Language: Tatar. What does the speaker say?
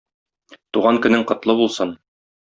Туган көнең котлы булсын!